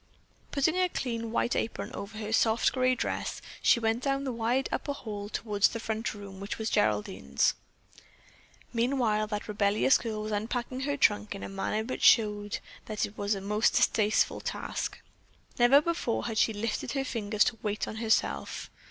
Putting a clean white apron over her soft grey dress, she went down the wide upper hall toward the front room, which was Geraldine's. Meanwhile that rebellious girl was unpacking her trunk in a manner which showed that it was a most distasteful task. Never before had she lifted her finger to wait on herself.